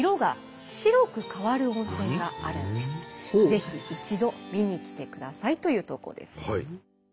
ぜひ一度見に来てくださいという投稿です。